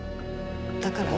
だから。